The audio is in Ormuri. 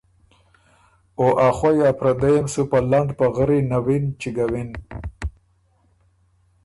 او ا خوَئ ا پردئ م سُو په لنډ پغري نَوِن چیګَوِن۔